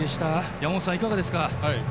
山本さん、いかがでしたか？